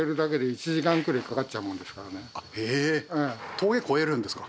峠越えるんですか？